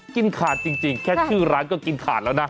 กินขาดจริงแค่ชื่อร้านก็กินขาดแล้วนะ